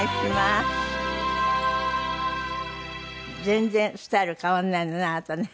全然スタイル変わらないのね